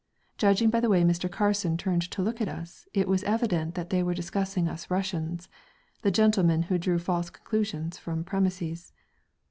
Judging by the way Mr. Carson turned to look at us, it was evident that they were discussing us Russians, the gentlemen who draw false conclusions from premises.